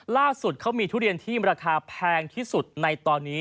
ล่าสุดเขามีทุเรียนที่ราคาแพงที่สุดในตอนนี้